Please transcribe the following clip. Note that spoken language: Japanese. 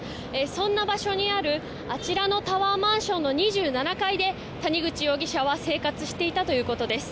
そんな場所にあるあちらのタワーマンションの２７階で谷口容疑者は生活していたということです。